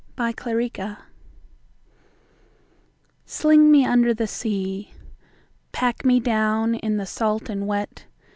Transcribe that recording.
111. Bones SLING me under the sea. Pack me down in the salt and wet.